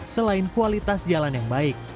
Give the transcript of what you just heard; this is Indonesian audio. selain kualitas jalan yang baik